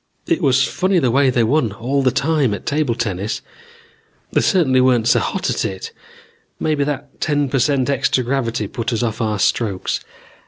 "It was funny the way they won all the time at table tennis. They certainly weren't so hot at it. Maybe that ten per cent extra gravity put us off our strokes.